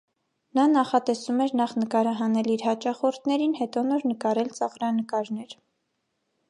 Նա նախատեսում էր նախ նկարահանել իր հաճախորդներին, հետո նոր նկարել ծաղրանկարներ։